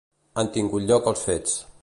Han tingut lloc els fets.